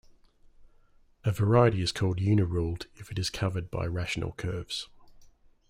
A variety is called uniruled if it is covered by rational curves.